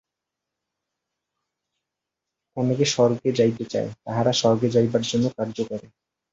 অনেকে স্বর্গে যাইতে চায়, তাহারা স্বর্গে যাইবার জন্য কার্য করে।